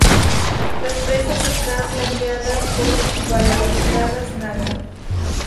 Las presas están flanqueadas por balaustradas Naga.